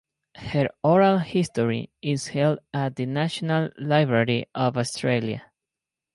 Her oral history is held at the National Library of Australia.